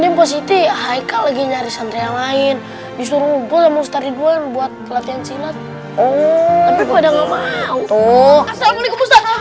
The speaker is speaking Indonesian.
jadi gini mpa siti aikal lagi nyari santri yang lain disuruh ngumpul sama ustadz dua yang buat latihan silat